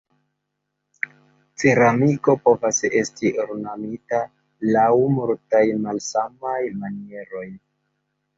Ceramiko povas esti ornamita laŭ multaj malsamaj manieroj.